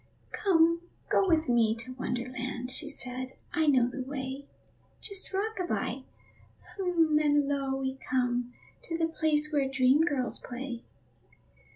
"Come, go with me to Wonderland," She said, "I know the way. Just rock a by hum m m, And lo! we come To the place where the dream girls play."